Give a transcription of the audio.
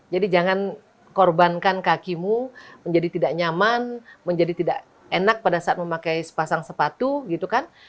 jadi jangan korbankan kakimu menjadi tidak nyaman menjadi tidak enak pada saat memakai sepasang sepatu gitu kan